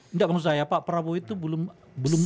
enggak bang perasaan saya pak prabowo itu belum